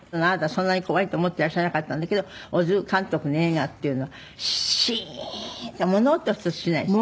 そんなに怖いと思っていらっしゃらなかったんだけど小津監督の映画っていうのはシーンと物音一つしないでしょ？